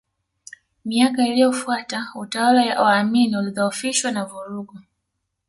Miaka iliyofuata utawala wa Amin ulidhoofishwa na vurugu